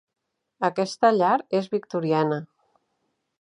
Aquesta llar és victoriana.